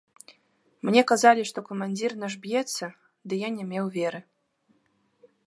Мне казалі, што камандзір наш б'ецца, ды я не меў веры.